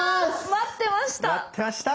待ってました！